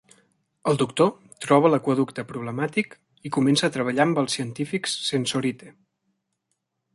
El Doctor troba l'aqüeducte problemàtic i comença a treballar amb els científics Sensorite.